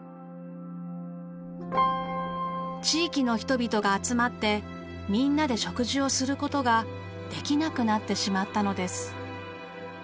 地域の人々が集まってみんなで食事をする事ができなくなってしまったのです。